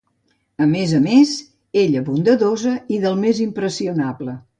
A més a més, ella bondadosa i del més impressionable.